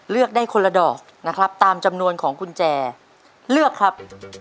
เลือกได้คนละดอกนะครับตามจำนวนของกุญแจเลือกครับ